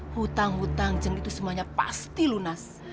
hutang hutang itu semuanya pasti lunas